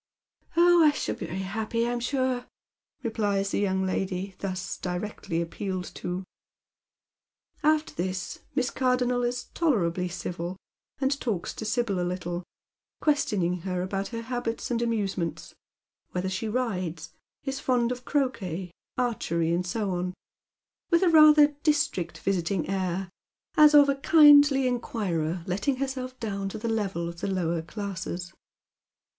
" Oh, I shall be very happy, I'm sure," replies the young lady thus directly appealed to. After this Miss Cardonnel is tolerably civil, and talks to Sibyl a little, questioning her about her habits and amusements,— whether she rides, is fond of croquet, archery, and so on, with rather a district visiting air, as of a kindly inquirer letting herself down to the level of the lower classes.